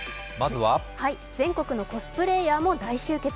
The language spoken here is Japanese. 全国のコスプレーヤーも大集結。